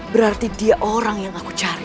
berarti dia orang yang aku cari